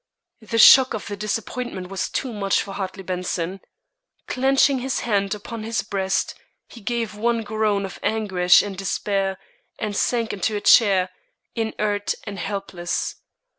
The shock of the disappointment was too much for Hartley Benson. Clenching his hand upon his breast, he gave one groan of anguish and despair and sank into a chair, inert and helpless.